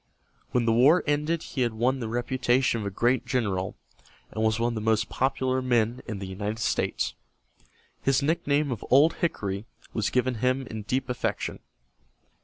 When the war ended he had won the reputation of a great general, and was one of the most popular men in the United States. His nickname of "Old Hickory" was given him in deep affection.